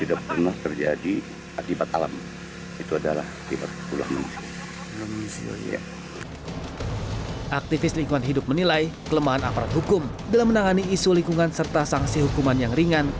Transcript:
aktivis lingkungan hidup menilai kelemahan aparat hukum dalam menangani isu lingkungan serta sanksi hukuman yang ringan